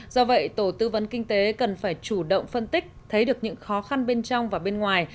do vậy tổ tư vấn kinh tế cần phải chủ động phân tích thấy được những khó khăn bên trong và bên ngoài